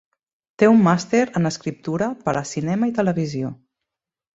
Té un màster en escriptura per a cinema i televisió.